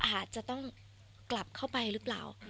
อาจจะต้องกลับเข้าไปหรือเปล่า